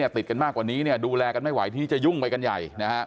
ติดกันมากกว่านี้ดูแลกันไม่ไหวที่จะยุ่งไปกันใหญ่